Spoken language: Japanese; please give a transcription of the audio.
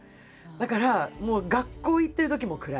だから学校行ってるときも暗い。